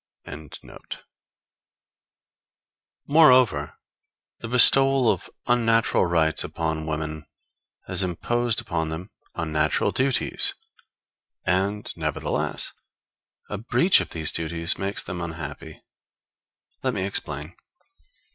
] Moreover, the bestowal of unnatural rights upon women has imposed upon them unnatural duties, and, nevertheless, a breach of these duties makes them unhappy. Let me explain.